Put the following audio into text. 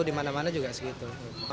di mana mana juga segitu